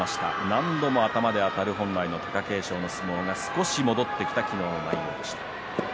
何度も頭であたる本来の貴景勝の相撲が少し戻ってきた昨日の内容でした。